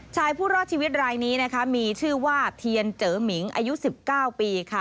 ชายผู้รอดชีวิตรายนี้มีชื่อว่าเธียนเจ๋อหมิงอายุ๑๙ปี